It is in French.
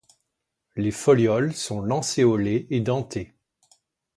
Les folioles sont lancéolées et dentées.